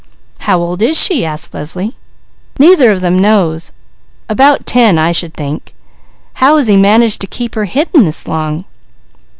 "How old is she?" asked Leslie. "Neither of them knows. About ten, I should think." "How has he managed to keep her hidden this long?"